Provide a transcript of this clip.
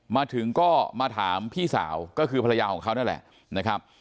มาถึงก็มาถามพี่สาวก็คือภรรยาของเขานั่นแหละนะครับ